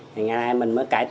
ngày nay mình mới cắt